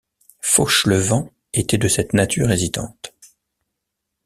Fauchelevent était de cette nature hésitante.